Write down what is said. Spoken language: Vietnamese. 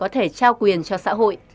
trao quyền cho xã hội